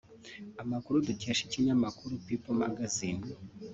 Amakuru dukesha ikinyamakuru people magazine